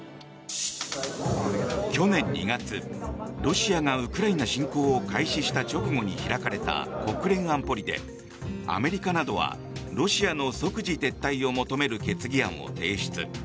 去年２月、ロシアがウクライナ侵攻を開始した直後に開かれた国連安保理でアメリカなどはロシアの即時撤退を求める決議案を提出。